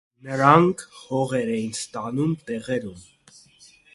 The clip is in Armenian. Նրանք հողեր էին ստանում տեղերում։